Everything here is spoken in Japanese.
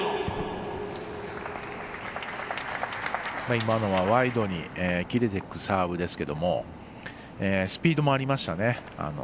今のはワイドに切れていくサーブですけれどもスピードもありましたね。